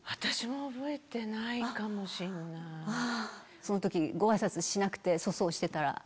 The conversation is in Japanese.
その時ごあいさつしなくて粗相してたら。